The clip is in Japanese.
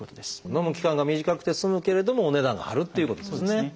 のむ期間が短くて済むけれどもお値段が張るっていうことですね。